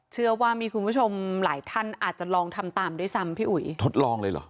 เชื่อว่ามีคุณผู้ชมหลายท่านอาจจะลองทำตามด้วยซ้ำพี่อุ๋ยทดลองเลยเหรอ